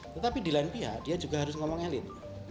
tetapi di lain pihak dia juga harus ngomong elit